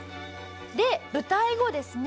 で舞台後ですね